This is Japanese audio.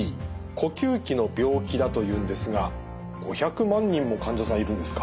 呼吸器の病気だというんですが５００万人も患者さんいるんですか？